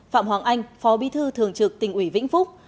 phạm hoàng anh phó bí thư thường trực tỉnh ủy vĩnh phúc